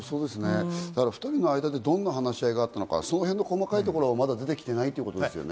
２人の間でどんな話し合いがあったのか、その辺の細かいところはまだ出てきてないということですね。